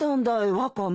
ワカメ。